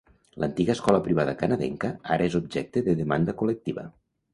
L'antiga escola privada canadenca ara és objecte de demanda col·lectiva.